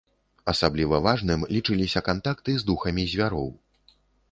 Асабліва важным лічыліся кантакты з духамі звяроў.